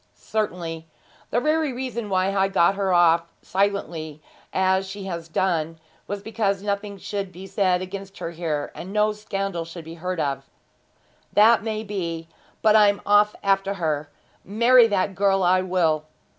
'Certainly. The very reason why I got her to go off silently, as she has done, was because nothing should be said against her here, and no scandal should be heard of.' 'That may be; but I'm off after her. Marry that girl I will.'